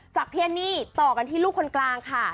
พี่แอนนี่ต่อกันที่ลูกคนกลางค่ะ